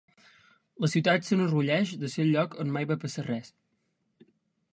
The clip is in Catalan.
La ciutat s'enorgulleix de ser el lloc on mai va passar res.